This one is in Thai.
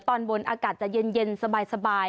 ตอนบนอากาศจะเย็นสบาย